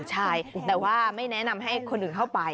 ใช่แต่ว่าไม่แนะนำให้คนอื่นเข้าไป